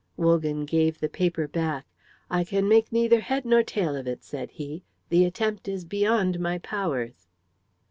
Wogan gave the paper back. "I can make neither head nor tail of it," said he. "The attempt is beyond my powers."